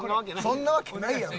そんなわけないやろ。